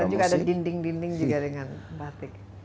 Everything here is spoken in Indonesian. dan juga ada dinding dinding juga dengan batik